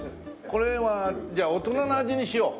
これはじゃあ大人の味にしよう。